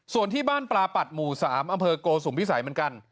ส่วนที่บ้านปลาปัดหมู่๓อำเภอโกสุมพิสัยเหมือนกัน